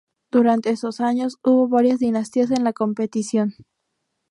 Durante esos años hubo varias dinastías en la competición.